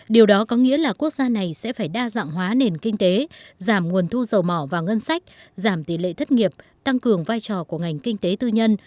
điều đó có nghĩa là quốc gia này sẽ phải đa dạng hóa nền kinh tế giảm nguồn thu dầu mỏ và ngân sách giảm tỷ lệ thất nghiệp tăng cường vai trò của ngành kinh tế tư nhân